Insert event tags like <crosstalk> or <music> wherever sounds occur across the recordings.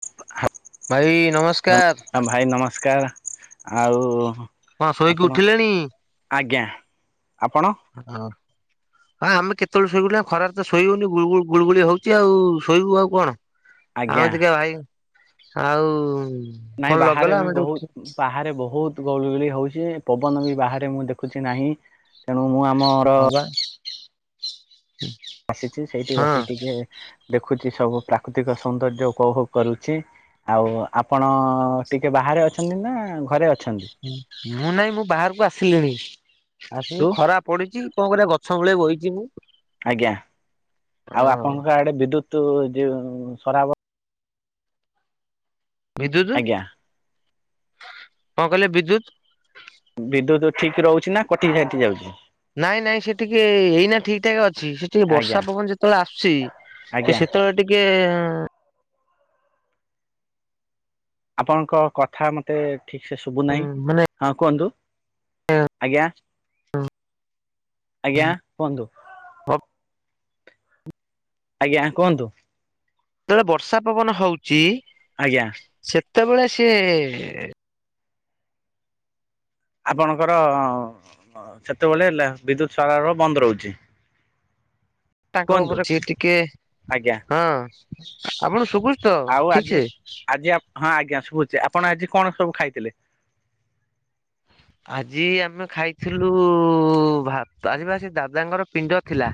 Half ଭାଇ ନମସ୍କାର। ହ ଭାଇ ନମସ୍କାର, ଆଉ କଣ ଶୋଇକି ଆପଣ ଉଠିଲେଣି? ଆଜ୍ଞା, ଆପଣ? ହଁ ହଁ ଆମେ କେତେବେଳେ ଶୋଇଗଲୁଣି, ଖରାରେ ତ ଶୋଇହଉନି ଗୁଗୁ ଗୁଳଗୁଳି ହଉଛି ଆଉ ଶୋଇବୁ ଆଉ କଣ? ଆଜ୍ଞା ଆମତିକେ ଭାଇ ଆଉ ନାଇଁ ଫୋନ ବାହାରେ ଲଗେଇଲା ବି ଆମେ ଟିକେ ଉଠି ବହୁତ, ବାହାରେ ବହୁତ ଗୁଳିଗଳି ହଉଛି, ପବନ ବି ବାହାରେ ମୁଁ ଦେଖୁଛି ନାହିଁ, ତେଣୁ ମୁଁ ଆମର ହଁ ବା ଆସିଚି, ସେଇଠି ହଁ ବସିି ଟିକେ ଦେଖୁଛି ସବୁ ପ୍ରାକୃତିକ ସୌନ୍ଦର୍ଯ୍ୟ ଉପଭୋଗ କରୁଚି। ଆଉ ଆପଣ ଟିକେ ବାହାରେ ଅଛନ୍ତି ନା, ଘରେ ଅଛନ୍ତି? ମୁଁ ନାଇଁ ମୁଁ ବାହାରକୁ ଆସିଲିଣି। ଆସିକି ତୁ ଖରା ପଡିଛି, କଣ କରିବା? ଗଛ ମୂଳେ ବଇଛି ମୁଁ। ଆଜ୍ଞା, ଆଉ ହଁ ଆପଣଙ୍କ ଆଡେ ବିଦ୍ୟୁତ ଯଉ ସରାବ ବିଦ୍ୟୁତ, ଆଜ୍ଞା କଣ କହିଲେ? ବିଦ୍ୟୁତ ବିଦ୍ୟୁତ ଠିକ ରହୁଛି ନା, କଟିି କାଟି ଯାଉଛି? ନାଇଁ ନାଇଁ ସେ ଟିକେ ଏଇନା ଠିକ୍ ଠାକ ଅଛି, ସେ ଟିକେ ଆଜ୍ଞା ବର୍ଷା ପବନ ଯେତେବେଳେ ଆସୁଛି ସେ ଆଜ୍ଞା ସେତେବେଳେ ଟିକେ ଆପଣଙ୍କ କଥା ମତେ ଠିକ୍ ସେ ଶୁଭୁନାହିଁ, ମାନେ ହଁ କୁହନ୍ତୁ? ଆଜ୍ଞା ଆଜ୍ଞା କୁହନ୍ତୁ? ଆଜ୍ଞା କୁହନ୍ତୁ? ଯେତେବେଳେ ବର୍ଷା ପବନ ହଉଛି? ଆଜ୍ଞା। ସେତେବେଳେ ସିଏ ଆପଣଙ୍କର ସେତେବେଳେ ଲା ବିଦ୍ୟୁତ ସାର ବନ୍ଦ ରହୁଛି। <inaudible> ତାଙ୍କ ଉପରେ ସେ ଟିକେ ଆଜ୍ଞା ହଁ ଆପଣ ସୁଭୁଚି ତ ଆଉ ଆଜି ଠିକ ସେ? ଆଜି ହଁ ଆଜ୍ଞା ଶୁଭୁଛି, ଆପଣ ଆଜି କଣ ସବୁ ଖାଇଥିଲେ? ଆଜି ଆମେ ଖାଇଥିଲୁ, ଭାତ ଆଜି ବା ସେ ଦାଦାଙ୍କର ପିଣ୍ଡ ଥିଲା।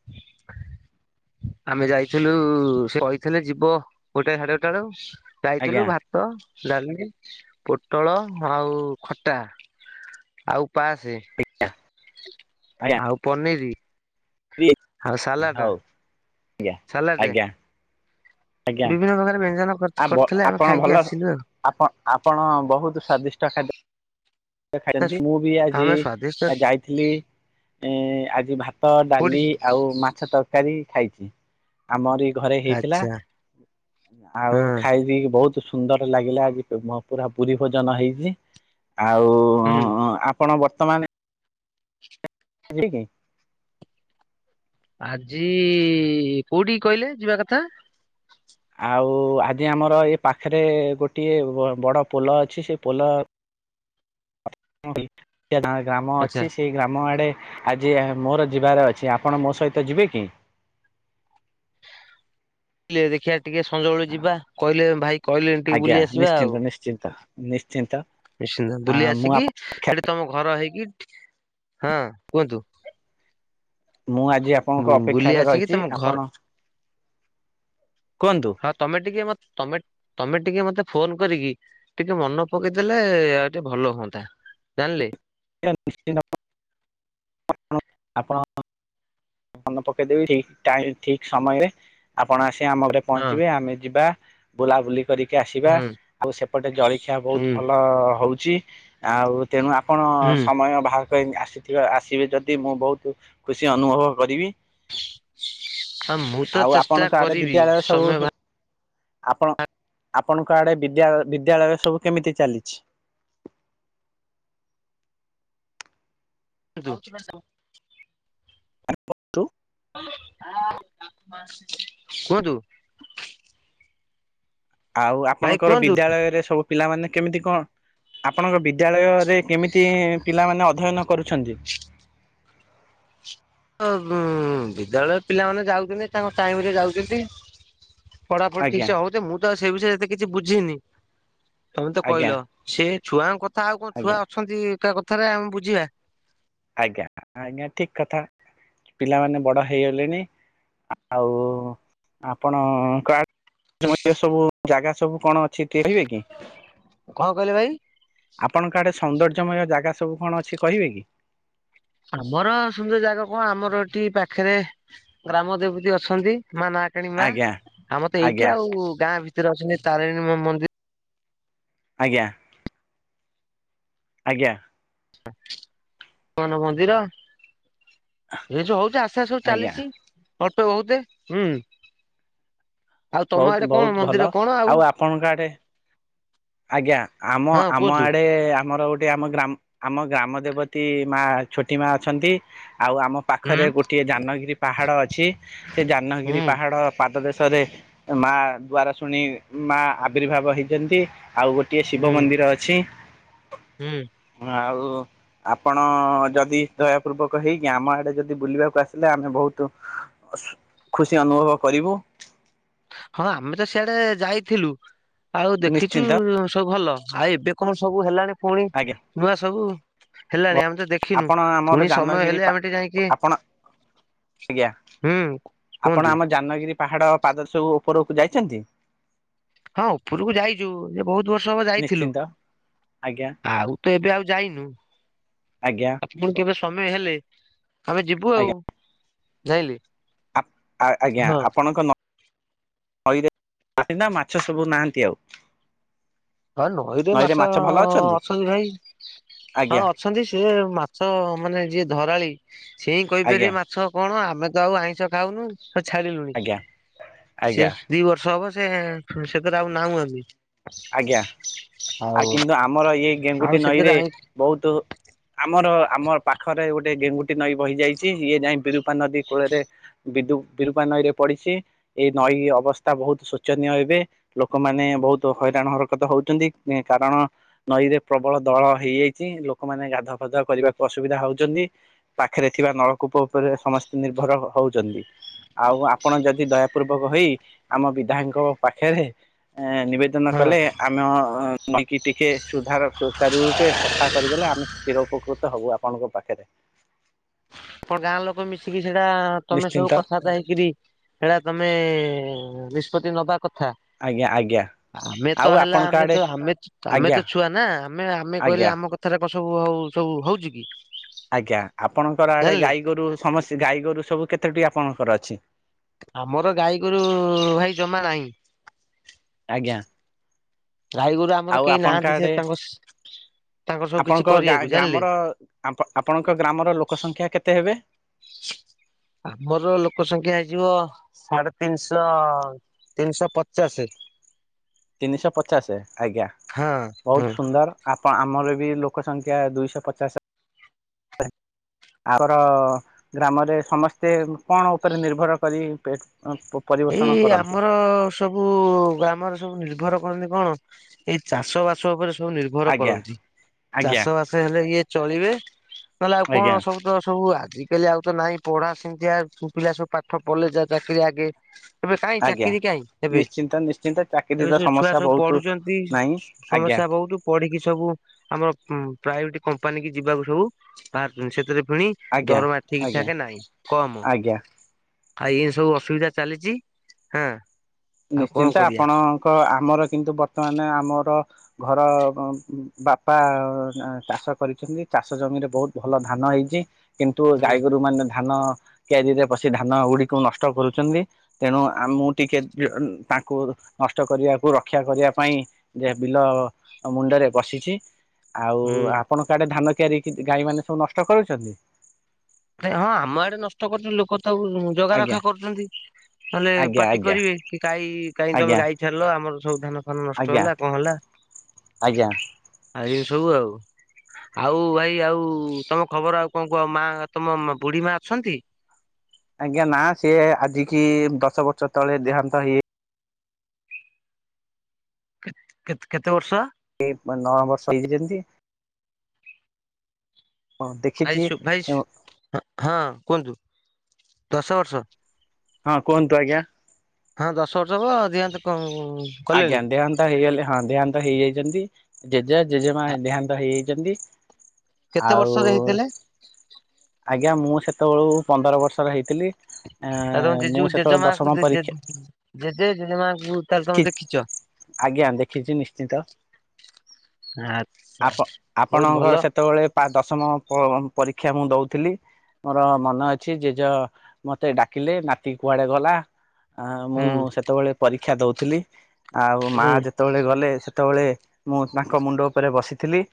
<inaudible> ଆମେ ଯାଇଥିଲୁ ସେ କହିଥିଲେ ଯିବ ଗୋଟେ ଏ ସାଢେ ଗୋଟାଏ ବେଳୁ ଯାଇଥିଲୁ, ଆଜ୍ଞା ଭାତ ଭାତ ଡାଲି ପୋଟଳ ଆଉ ଖଟା ଆଉ ପାଏସେ ଆଜ୍ଞା ଆଉ ପନିର ଆଉ ସାଲାଟ ହଉ ଆଜ୍ଞା ଆଜ୍ଞା ଆଜ୍ଞା ବିଭିନ୍ନ ପ୍ରକାର ବ୍ୟଞ୍ଜନ ପ୍ରସ୍ତୁ ଆ ଆପଣ ଭଲ ଆପଣ ଆପଣ ବହୁତ ସ୍ଵାଦିଷ୍ଟ ଖାଦ୍ୟ ଖାଇଛନ୍ତି ମୁଁ ବି ଆଜି ଆମେ ସ୍ଵାଦିଷ୍ଟ ଯାଇ ଥିଲି ଏ ଆଜି ଭାତ କୋଉଠି ଡାଲି ଆଉ ମାଛ ତରକାରୀ ଖାଇଛି ଆମରି ଘରେ ହେଇଥିଲା ଆଚ୍ଛା ଆଉ ହଁ ଖାଇ ପିଇି ବହୁତ ସୁ ସୁନ୍ଦର ଲାଗିଲା ଆଜି ପୁରା ପୁରୀ ଭୋଜନ ହେଇଛି ଆଉ ହୁଁ ଆପଣ ବର୍ତ୍ତମାନ ଠିକ୍ ଆଜି କୋଉଠିକି କହିଲେ ଯିବା କଥା ଆଉ ଆଜି ଆମର ଏ ପାଖରେ ଗୋଟିଏ ବଡ ପୋଲ ଅଛି ସେ ପୋଲ <unintelligible> ଗ୍ରାମ ଆଚ୍ଛା ଅଛି ସେ ଗ୍ରାମ ଆଡ଼େ ଆଜି ମୋର ଯିବାର ଅଛି ଆପଣ ମୋ ସହିତ ଯିବେ କି? କିଲେ ଦେଖିବା ଟିକେ ସଞ୍ଜବେଳୁ ଯିବା କହିଲେ ଭାଇ କହିଲେ ଟିକେ ବୁଲି ଆସିବା ଆଉ ନିଶ୍ଚିତ ନିଶ୍ଚିନ୍ତ ନିଶ୍ଚିନ୍ତ ବୁଲି ମୁଁ ଆସିକି ସେଠି ତମ ଘର ହେଇକି ହଁ କୁହନ୍ତୁ ମୁଁ ଆଜି ବୁ ଆପଣଙ୍କ ବୁଲି ଅପେକ୍ଷାରେ ଆସିକି ରହିଛି ତମ ଘର ଆପଣ କୁହନ୍ତୁ ହଁ ତମେ ମୋତେ ତମେ ତମେ ଟିକେ ମୋତେ ଫୋନ କରିକି ଟିକେ ମନ ପକେଇଦେଲେ ଆଉ ଟିକେଏ ଭଲ ହୁଅନ୍ତା ଜାଣିଲେ ଆଜ୍ଞା ନିଶ୍ଚିତ ଆପ ଆପଣ ମନେ ପକେଇଦେବି ଟାଇମ ଠିକ ସମୟରେ ଆପଣ ଆସି ଆମ ଘରେ ହଁ ପହଞ୍ଚିବେ ଆମେ ଯିବା ବୁଲାବୁଲି କରିକି ଆସିବା ହୁଁ ଆଉ ସେପଟେ ଜଳଖିଆ ହୁଁ ବହୁତ ଭଲ ହଉଛି ଆଉ ତେଣୁ ଆପଣ ହୁଁ ସମୟ ବାହାର କରି ଆସିିଯିବା ଆସି ଯିବେ ଯଦି ମୁଁ ବହୁତ ଖୁସି ଅନୁଭବ କରିବି ଆଉ ମୁଁ ତ ଆଉ ଚେଷ୍ଟା ଆପଣଙ୍କ ଆଡେ କରିବି ବିଦ୍ୟାଳୟ ସମୟ ବା ସବୁ ଆପଣ ଆପଣଙ୍କ ଆଡେ ବିଦ୍ୟାଳୟ ବିଦ୍ୟାଳୟ ସବୁ କେମିତି ଚାଲିଛି? <unintelligible> ଆଜ୍ଞା କୁହନ୍ତୁ <unintelligible> କୁହନ୍ତୁ ଆଉ ଭାଇ ଆପଣଙ୍କର କୁହନ୍ତୁ ବିଦ୍ୟାଳୟରେ ସବୁ ପିଲାମାନେ କେମିତି କଣ ଆପଣଙ୍କ ବିଦ୍ୟାଳୟରେ କେମିତି ପିଲାମାନେ ଅଧ୍ୟୟନ କରୁଛନ୍ତି? ହଁ ହଁ ବିଦ୍ୟାଳୟରେ ପିଲାମାନେ ଯାଉଛନ୍ତି ତାଙ୍କ ଟାଇମରେ ଯାଉଛନ୍ତି ପଢାପଢି ଠିକ ଆଜ୍ଞା ସେ ହଉ ତ ମୁଁ ତ ସେଇ ବିଷୟରେ ଏତେ କିଛି ବୁଝିନି ତମେ ତ ଆଜ୍ଞା କହିଲ ସେ ଛୁଆଙ୍କ କଥା ଆଉ କଣ ଆଜ୍ଞା ଛୁଆ ଅଛନ୍ତି ଏକା କଥାରେ ଆମେ ବୁଝିବା ନି ଆଜ୍ଞା ଆଜ୍ଞା ଠିକ୍ କଥା ପିଲାମାନେ ବଡ ହେଇଗଲେଣି ଆଉ ଆପଣଙ୍କର କୋଉଠି ସବୁ ଜାଗା ସବୁ କଣ ଅଛି ଟିକେ କହିବେ କି କଣ କହିଲେ ଭାଇ? ଆପଣଙ୍କଆଡ଼େ ସୌନ୍ଦର୍ଯ୍ୟମୟ ଜାଗା ସବୁ କଣ ଅଛି କହିବେ କି? ଆମର ସୁନ୍ଦର ଜାଗା କଣ ଆମର ଏଠି ପାଖରେ ଗ୍ରାମ ଦେବତୀ ଅଛନ୍ତି ନାନା ମଣିମା ଆଜ୍ଞା ଆମର ତ ଆଜ୍ଞା ଏଇଠି ଆଉ ଗାଁ ଭିତରେ ଅଛନ୍ତି ତାରିଣୀ ମନ୍ଦିର ଆଜ୍ଞା ଆଜ୍ଞା <inaudible> ହମାନ ମନ୍ଦିର <inaudible> ଏ ଯୋଉ ହଉଛି ଆସ୍ତେ ଆସ୍ତେ ସବୁ ଆଜ୍ଞା ଚାଲିଛି ଅଳ୍ପ ବହୁତେ ହୁଁ। ଆଉ ତମ ବହୁତ ଆଡ଼େ କଣ ବହୁତ ଭଲ ମନ୍ଦିର କଣ ଆଉ ଆପଣଙ୍କ ଆଡେ ଆଜ୍ଞା ଆମ ହଁ ଆମ କୁହନ୍ତୁ। ଆଡ଼େ ଆମର ଗୋ ଟେ ଆମ ଗ୍ରା ଆମ ଗ୍ରାମ ଦେବତୀ ମା ଛୋଟି ମା ଅଛନ୍ତି ଆଉ ଆମ ହୁଁ ପାଖରେ ଗୋଟିଏ ଯାନଗିରି ପାହାଡ଼ ଅଛି ସେ ହୁଁ ଯାନଗିରି ପାହାଡ଼ ପାଦ ଦେଶରେ ମା ଦ୍ବାର ଶୁଣି ମା ଆବିର୍ଭାବ ହେଇଛନ୍ତି ଆଉ ଗୋ ଟିଏ ଶିବ ହୁଁ ମନ୍ଦିର ଅଛି। ହୁଁ। ଆଉ ଆପଣ ଯଦି ଦୟାପୂର୍ବକ ହେଇକି ଆମ ଆଡେ ଯଦି ବୁଲିବାକୁ ଆସିଲେ ଆମେ ବହୁତ ଖୁସି ଅନୁଭବ କରିବୁ। ହଁ, ଆମେ ତ ସିଆଡେ ଯାଇଥିଲୁ ଆଉ ଦେଖିଛୁ ନିଶ୍ଚିନ୍ତ ସବୁ ଭଲ। ଆଉ ଏବେ କଣ ସବୁ ହେଲାଣି ପୁଣି ଆଜ୍ଞା ନୂଆ ସବୁ ହେଲାଣି ଆମେ ତ ଦେଖ ଖିନୁ ଆପଣ ଆମର ପୁଣି ସମୟ ଜାହ୍ନଗିରି ହେଲେ ଆମେ ଟିକେ ଯାଇକି ଆପଣ ଆଜ୍ଞା ହୁଁ ଆପଣ କୁହନ୍ତୁ। ଆମ ଯାନଗିରି ପାହାଡ଼ ପାଦ ଦେଶକୁ ଉପରକୁ ଯାଇଚନ୍ତି। ହଁ ଉପରକୁ ଯାଇଚୁ ଯେ ବହୁତ ବର୍ଷ ହବ ଯାଇଥିଲୁ। ନିଶ୍ଚିନ୍ତ ଆଜ୍ଞା ଆଉ ତ ଏବେ ଆଉ ଯାଇନୁ। ଆଜ୍ଞା ପୁଣି କେବେ ସମୟ ହେଲେ ଆମେ ଯିବୁ ଆଜ୍ଞା ଆଉ ଜାଣିଲେ। ଆ ଅ ଆଜ୍ଞା ଆପଣଙ୍କ ନ ଇରେ ନା ମାଛ ସବୁ ନାହାନ୍ତି ଆଉ। ହଁ ନଈରେ ମାଛ ଅଛନ୍ତି ଭାଇ ଆଜ୍ଞା ହଁ ଅଛନ୍ତି ସିଏ ମା ଛ ମାନେ ଯିଏ ଧରାଳି ସେ ହିଁ ଆଜ୍ଞା କହିପାରିବେ ମାଛ କଣ ଆମେ ତ ଆଉ ଆଇଁଷ ଖାଉନୁ ହ ଛାଡ଼ିଲୁଣି ଆଜ୍ଞା ଆଜ୍ଞା ସେ ଦି ବର୍ଷ ହବ ସେ ସେଥିରେ ଆଉ ନାହୁଁ ଆମେ। ଆଜ୍ଞା ଆ ଆଉ କିନ୍ତୁ ଆମର ଏଇ ଆଉ ଗେଙ୍ଗୁଟି ସେଥିରେ ନଈରେ ଆଇଁ ବହୁତ ଆମର ଆମ ପାଖରେ ଗୋଟେ ଗେଙ୍ଗୁଟି ନଈ ବହି ଯାଇଛି ଇଏ ଯାଇ ବିରପା ନଦୀ କୂଳରେ ବିଦୁ ବିରୂପା ନଈ ରେ ପଡିଛି। ଏଇ ନଈ ଅବସ୍ଥା ବହୁତ ଶୋଚନୀୟ ଏବେ ଲୋକମାନେ ବହୁତ ତ ହଇରାଣ ହରକତ ହଉଛନ୍ତି କାରଣ ନଈରେ ପ୍ରବଳ ଦଳ ହେଇଯାଇଚି ଲୋକମାନେ ଗାଧୁଆ ଫାଧୁଆ କରିବାକୁ ଅସୁବିଧା ହଉଚନ୍ତି। ପାଖରେ ଥିବା ନଳକୂପ ଉପରେ ସମସ୍ତେ ନିର୍ଭର ହଉଛନ୍ତି। ଆଉ ଆପଣ ଯଦି ଦୟା ପୂର୍ବକ ହୋଇ ଆମ ବିଧାୟକଙ୍କ ପାଖରେ ଏଁ ନିବେ ଦନ ହଁ କଲେ ଆମ ଅଁ ଅଁ ନଇକି ଟିକେ ସୁଧାର ସୁଚାର ରୂପେ ସଫା କରିଦେଲେ ଆମେ ଚିର ଉପକୃତ ହବୁ ଆପଣଙ୍କ ପାଖରେ। ଆପଣ ଗାଁ ଲୋକ ମିଶିକି ସେଇଟା ତମେ ସବୁ ନିଶ୍ଚିନ୍ତ କଥା ବାର୍ତା ହେଇକିରି ହେଇଟା ତମେ ନିଷ୍ପତ୍ତି ନବା କ ଆଜ୍ଞ ଆଜ୍ଞା। ଆମେ ଆଉ ତ ହେଲା ଆପଣଙ୍କ ଆମେ ଆଡେ ତ ଆମେ ଆମେ ଆଜ୍ଞା ତ ଛୁଆ ନା ଆମେ ଆମେ ଆଜ୍ଞା କହିଲେ ଆମ କ ଥରେ କ ସବୁ ହଉ ସବୁ ହଉଛି କି। ଆଜ୍ଞା ଆପଣଙ୍କର ଆଡେ ଜାଣିଲେ ଗାଈ ଗୋରୁ ସମସ୍ ଗାଈ ଗୋରୁ ସବୁ କେତଟି ଆପଣଙ୍କର ଅଛି। ଆମର ଗାଈ ଗୋରୁ ଭାଇ ଜମା ନାହିଁ। ଆଜ୍ଞା। ଗାଈ ଗୋରୁ ଆମର ଆଉ କେହି ଆପଣଙ୍କ ନାହାନ୍ତି ସେ ଆଡେ ତାଙ୍କ ତାଙ୍କର ସବୁ କିଛି ଆପଣଙ୍କ କରିବାକୁ ଗାଁ ଜାଣିଲେ। ଗ୍ରାମର ଆପ୍ ଆପଣଙ୍କ ଗ୍ରାମର ଲୋକ ସଂଖ୍ୟା କେତେ ହେବେ। ଆମର ଲୋକ ସଂଖ୍ୟା ହେଇଯିବ ସାଢେ ତିନିଶହ ତିନିଶହ ପଚାଶ। ତିନିଶହ ପଚାଶ ଆଜ୍ଞା ହଁ ହଁ। ବହୁତ ସୁନ୍ଦର। ଆପଣ ଆମର ବି ଲୋକ ସଂଖ୍ୟା ଦୁଇଶହ ପଚାଶ ହେ ଆମର ଗ୍ରାମରେ ସମସ୍ତେ କଣ ଉପରେ ନିର୍ଭର କରି ପେଟ ଉଁ ପୁ ଏଇ ଆମର ସବୁ ଗ୍ରାମରେ ସବୁ ନିର୍ଭର କରନ୍ତି କଣ, ଏଇ ଚାଷ ବାସ ଉପରେ ସବୁ ନିର୍ଭର ଆଜ୍ଞା କରନ୍ତି। ଆଜ୍ଞା ଚାଷ ବାସ ହେଲେ ଇଏ ଚଳିବେ ନହଲେ ଆଉ କଣ ଆଜ୍ଞା ସବୁ ତ ସବୁ ଆଜିକାଲି ଆଉ ତ ନାହିଁ ପଢା ସେମତିଆ, ପୁଅପିଲା ସବୁ ପାଠ ପଢ଼ିଲେ ଯା ଚାକିରୀ ଆଗେ। ଏବେ କାହିଁ ଆଜ୍ଞା ଚାକିରୀ କାହିଁ ଏବେ, ନିଶ୍ଚିନ୍ତ ନିଶ୍ଚିନ୍ତ ଏବେ ଚାକିରିର ସବୁ ଛୁଆ ସମସ୍ୟା ସବୁ ବହୁତ ପଢୁଛନ୍ତି, ନାହିଁ ଆଜ୍ଞା ସମସ୍ୟା ବହୁତୁ ପଢିକି ସବୁ, ଆମର ଉଁ ପ୍ରାଇଭେଟ କମ୍ପାନୀ କି ଯିବାକୁ ସବୁ ବାହାରୁଛନ୍ତି, ସେଥିରେ ପୁଣି ଆଜ୍ଞା ଦରମା ଆଜ୍ଞା ଆଜ୍ଞା ଠିକଠାକେ ନାଇଁ, କମ। ଆଜ୍ଞା। ଆ ଏନ୍ତି ସବୁ ଅସୁବିଧା ଚାଲିଚି, ହଁ ଆଉ କଣ ନିଶ୍ଚିନ୍ତ, କରିବା ଆପଣଙ୍କ ଆମର କିନ୍ତୁ ବର୍ତ୍ତମାନ ଆମର ଘର ଉମ୍ ଉଁ ବାପା ଚାଷ କରିଛନ୍ତି, ଚାଷ ଜମିରେ ବହୁତ ଭଲ ଧାନ ହେଇଛି କିନ୍ତୁ ହୁଁ ଗାଈଗୋରୁମାନେ ଧାନ କିଆରୀରେ ପଶି ଧାନଗୁଡିକୁ ନଷ୍ଟ କରୁଚନ୍ତି, ତେଣୁ ଆମକୁ ଟିକେ କି ଅନ୍ ତାଙ୍କୁ ନଷ୍ଟ କରିବାକୁ ରକ୍ଷା କରିବା ପାଇଁ, ଯେ ବିଲ ଆଉ ମୁଣ୍ଡରେ ବସିଛି। ଆଉ ହୁଁ। ଆପଣଙ୍କ ଆଡେ ଧାନ କିଆରୀକି ଗାଈମାନେ ସବୁ ନଷ୍ଟ କରୁଛନ୍ତି? ନାଇ ହଁ, ଆମ ଆଡେ ନଷ୍ଟ କରୁଛନ୍ତି ଲୋକ ତାକୁ ଜଗା ଆଜ୍ଞା ରଖା କରୁଛନ୍ତି। ନହେଲେ ଆଜ୍ଞା ପାଟି ଆଜ୍ଞା କରିବେ, କି ଗାଈ କାହିଁ ତମେ ଆଜ୍ଞା ଗାଈ ଛାଡ଼ିଲ, ଆମର ସବୁ ଧାନ ଫାନ ନଷ୍ଟ ଆଜ୍ଞା ହେଲା କଣ ହେଲା ଆଜ୍ଞା। ଏମତି ସବୁ ଆଉ। ଆଉ ଭାଇ ଆଉ ତମ ଖବର ଆଉ କଣ କୁହ ମାଆ ତମ ମା ବୁଢୀ ମା ଅଛନ୍ତି? ଆଜ୍ଞା ନା, ସିଏ ଆଜିିକି ଦଶ ବର୍ଷ ତଳେ ଦେହାନ୍ତ ହେଇ ଯାଇ କେ-କେତ କେତେ ବର୍ଷ? ଏଇ ନଅବର୍ଷ ହେଇଛି ଯେମତି ଭାଇ ଦେଖିଛି ସୁ ଭାଇ ହଁ ହଁ ହଁ କୁହନ୍ତୁ, ଦଶ ବର୍ଷ? ହଁ କୁହନ୍ତୁ ଆଜ୍ଞା। ହଁ ଦଶ ବର୍ଷ ହବ, ଦେହାନ୍ତ କଅଁ ଆଜ୍ଞା। ଦେହାନ୍ତ ହେଇଗଲେ ହଁ ଦେହାନ୍ତ ହେଇଯାଇଛନ୍ତି, ଜେଜ, ଜେଜେମା ଆ ଦେହାନ୍ତ ହେଇଯାଇଛନ୍ତି କେତେ ଆଉ ବର୍ଷର ହେଇଥିଲେ? ଆଜ୍ଞା ମୁଁ ସେତେବେଳୁକୁ ପନ୍ଦର ବର୍ଷର ହେଇଥିଲି, ଆଉ ତମ ଆଁ ଜେଜୁ ମୁଁ ସେତେବେଳେ ଜେଜେମାଙ୍କୁ ଦଶମ ଜେ ଜେ ପରୀକ୍ଷା ଜେଜେ ଜେଜେମା ବହୁତ୍ ଆଜ୍ଞା ଦେଖିଛି ନିଶ୍ଚିନ୍ତ। ଆଚ୍ଛା ବହୁତ ଭଲ ଆପ-ଆପଣଙ୍କର ସେତେବଳେ ପା ଦଶମ ପ-ପରୀକ୍ଷା ମୁଁ ଦଉଥିଲି ମୋର ମନେ ଅଛି, ଜେଜ ମତେ ଡାକିଲେ, ନାତି କୁଆଡେ ଗଲା? ଆ ମୁଁ ହୁଁ ସେତେବଳେ ପରୀକ୍ଷା ଦଉଥିଲି, ଆଉ ମା ହୁଁ ଯେତେ ଯେତେବେଳେ ଗଲେ, ସେତେବେଳେ ମୁଁ ତାଙ୍କ ମୁଣ୍ଡ ଉପରେ ବସିଥିଲି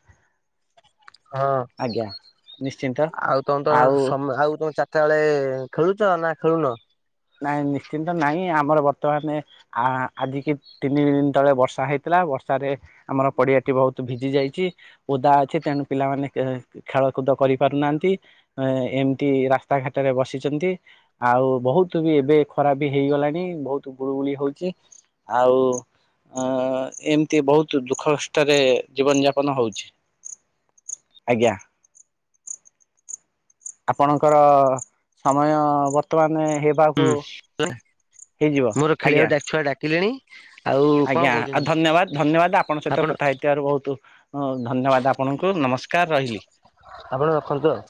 ହଁ ଆଜ୍ଞା। ନିଶ୍ଚିନ୍ତ ଆଉ ତମେ ତର ସମ ଆଉ ତମ ଚା ଚାରିଟା ବେଳେ ଖେଳୁଛ ନା ଖେଳୁନ? ନାଇଁ ନିଶ୍ଚିନ୍ତ ନାଇଁ, ଆମର ବର୍ତ୍ତମାନେ ଆ-ଆଜିିକି ତିନି ଦିନ ତଳେ ବର୍ଷା ହେଇଥିଲା, ବର୍ଷାରେ ଆମର ପଡିଆଟି ବହୁତ ଭିଜି ଯାଇଛି ଓଦା ଅଛି, ତେଣୁ ପିଲାମାନେ କେ ଖେଳକୁଦ କରିପାରୁନାହାଁନ୍ତି ଏଁ ଏମତି ରାସ୍ତାଘାଟରେ ବସିଛନ୍ତି, ଆଉ ବହୁତ ତୁ ବି ଏବେ ଖରା ବି ହେଇଗଲାଣି, ବହୁତ ଗୁଳୁଗୁଳି ହଉଛି। ଆଉ ଅ ଏମତି ବହୁତ ଦୁଃଖ କଷ୍ଟରେ ଜୀବନ ଯାପନ ହଉଛି। ଆଜ୍ଞା। ଆପଣଙ୍କର ସମୟ ବର୍ତ୍ତମାନେ ହେବ ହୁଁ ହେଲା, ମୋର ଆଜ୍ଞା ଖେଳିଆକୁ ଡାକ ଛୁଆ ଡାକିଲେଣି ଆଉ କଣ ଆଜ୍ଞା। ଆଉ କହୁଛନ୍ତି ଧନ୍ୟବାଦ, ଧନ୍ୟବାଦ। ଆପଣଙ୍କ ସହିତ ଆପଣ କଥା ହେଇଥିବାରୁ ବହୁତୁ ହଉ ଧନ୍ୟବାଦ ଆପଣଙ୍କୁ ନମସ୍କାର, ରହିଲି। ଆପଣ ରଖନ୍ତୁ ଆଉ।